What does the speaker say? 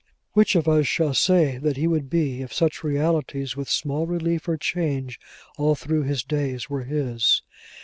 Which of us shall say what he would be, if such realities, with small relief or change all through his days, were his!